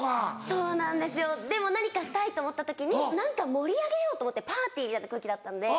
そうなんですよでも何かしたいと思った時に何か盛り上げようと思ってパーティーみたいな空気だったんで。